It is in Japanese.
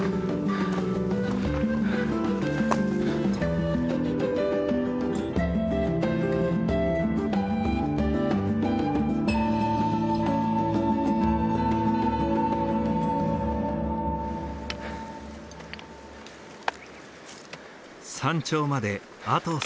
山頂まであと少し。